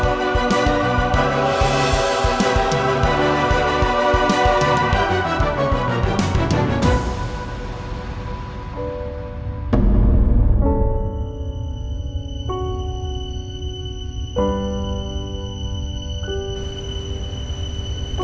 aku sudah berhenti berumur delapan tahun